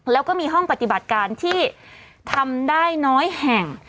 แล้วก็มีห้องปฏิบัติการที่ทำได้น้อยแห่ง